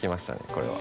これは。